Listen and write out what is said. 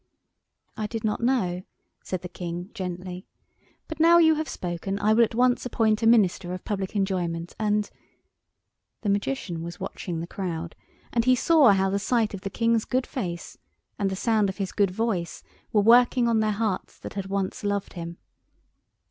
"I did not know," said the King, gently. "But now you have spoken I will at once appoint a Minister of Public Enjoyment, and——" The Magician was watching the crowd, and he saw how the sight of the King's good face and the sound of his good voice were working on their hearts that had once loved him.